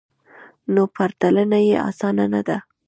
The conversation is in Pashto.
نو پرتلنه یې اسانه نه ده